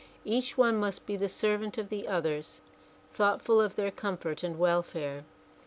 Each one must be the servant of the others, thoughtful of their comfort and welfare.